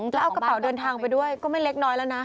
แล้วเอากระเป๋าเดินทางไปด้วยก็ไม่เล็กน้อยแล้วนะ